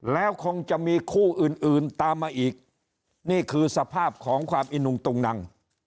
แล้วคงจะมีคู่อื่นอื่นตามมาอีกนี่คือสภาพของความอินุงตุงนัง